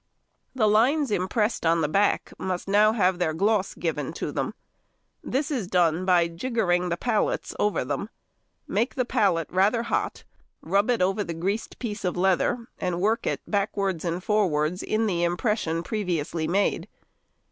The lines impressed on the back must now have their gloss given to them. This is done by giggering the pallets over them. Make the pallet rather hot, rub it over the greased piece of leather, and work it backwards and forwards in the impression previously made.